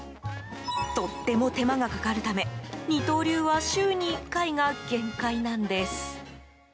とっても手間がかかるため二刀流は週に１回が限界なんです。